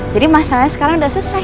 jadi masalahnya sekarang udah selesai